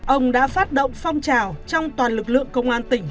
ông đã phát động phong trào trong toàn lực lượng công an tỉnh